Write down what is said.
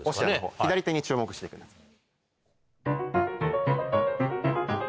左手に注目してください。